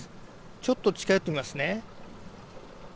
ちょっと近寄ってみますね。